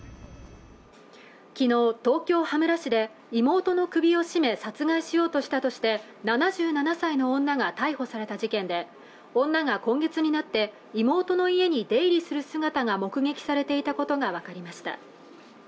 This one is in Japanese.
きのう東京・羽村市で妹の首を絞め殺害しようとしたとして７７歳の女が逮捕された事件で女が今月になって妹の家に出入りする姿が目撃されていたことが分かりました